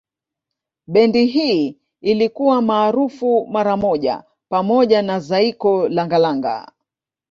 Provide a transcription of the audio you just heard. Bendi hii ilikuwa maarufu mara moja pamoja na Zaiko Langa Langa